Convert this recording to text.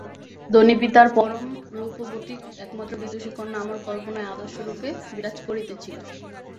ধনী পিতার পরমরূপবতী একমাত্র বিদুষী কন্যা আমার কল্পনায় আদর্শরূপে বিরাজ করিতেছিল।